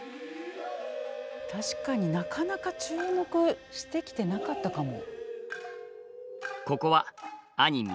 確かになかなか注目してきてなかったかも。